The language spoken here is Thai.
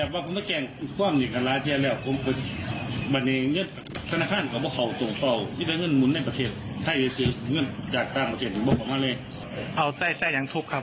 เอาไส้ใส่อย่างทุบครับนี่แหละเนี่ยครับค้อนเนี่ยแหละค้อนเนี่ย